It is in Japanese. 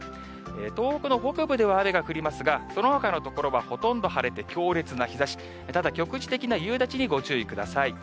東北の北部では雨が降りますが、そのほかの所はほとんど晴れて強烈な日ざし、ただ局地的な夕立にご注意ください。